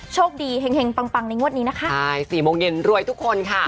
โชคดีแห่งปังปังในงวดนี้นะคะใช่สี่โมงเย็นรวยทุกคนค่ะ